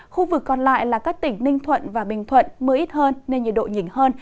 khu vực còn lại là các tỉnh ninh thuận và bình thuận mưa ít hơn nên nhiệt độ nhỉnh hơn